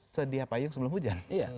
sedia payung sebelum hujan